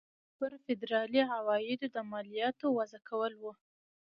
پر فدرالي عوایدو د مالیاتو وضع کول وو.